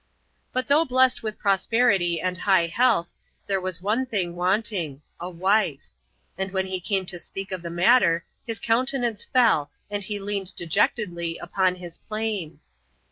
But though blessed with prospeifity and high health, there was one thing wanting — a wife. And when he came to speak of the matter, his countenance fell, and he leaned dejectedly upon his plane.